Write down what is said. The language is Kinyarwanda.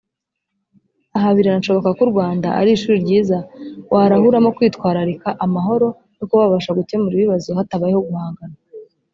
aha biranashoboka ko u Rwanda ari ishuri ryiza warahuramo kwitwararika amahoro no kuba wabasha gukemura ibibazo hatabayeho guhangana